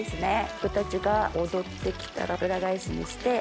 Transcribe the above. ふくたちが躍ってきたら裏返しにして。